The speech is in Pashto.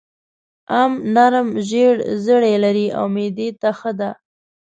ام نرم زېړ زړي لري او معدې ته ښه ده.